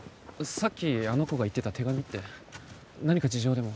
さっきあの子が言ってた手紙って何か事情でも？